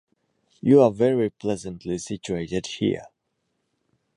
You are very pleasantly situated here!